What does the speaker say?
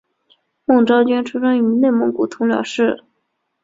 孟昭娟出生于内蒙古通辽市。